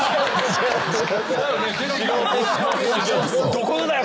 「どこのだよ？